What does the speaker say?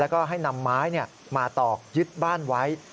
แล้วก็ให้นำไม้มาตอกยึดบ้านไว้